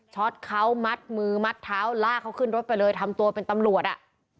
ช็อตเขามัดมือมัดเท้าลากเขาขึ้นรถไปเลยทำตัวเป็นตำรวจอ่ะ